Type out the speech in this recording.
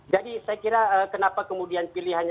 saya kira kenapa kemudian pilihannya